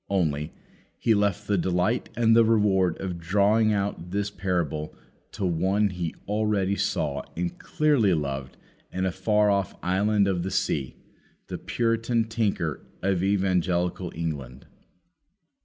Only, He left the delight and the reward of drawing out this parable to one He already saw and dearly loved in a far off island of the sea, the Puritan tinker of Evangelical England.